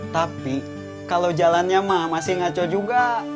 tapi kalau jalannya mah masih ngaco juga